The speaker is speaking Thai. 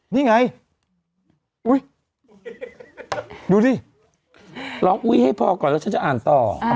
นี่ไงดูดิล็อกวีให้พอก่อนแล้วฉันจะอ่านต่ออ่า